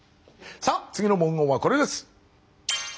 さあ次の文言はこれです！